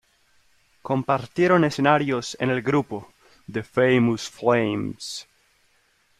Compartieron escenarios en el grupo "The Famous Flames".